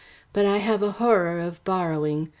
But I have a horror of borrowing.